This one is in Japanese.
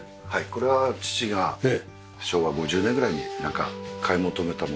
これは父が昭和５０年ぐらいになんか買い求めたものですね。